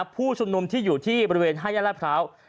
ผู้ชุมนุมที่อยู่ที่บริเวณ๕แยกรัฐพร้าว